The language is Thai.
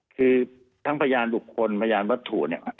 คือทั้งพยานบุคคลพยานวัตถุเนี่ย